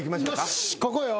よしここよ。